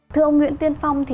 thưa ông nguyễn tiên phong